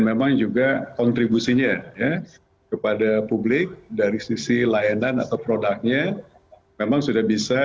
memang juga kontribusinya ya kepada publik dari sisi layanan atau produknya memang sudah bisa